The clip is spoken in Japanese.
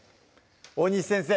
大西先生